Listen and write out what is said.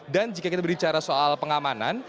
dan jika kita berbicara soal pengamanan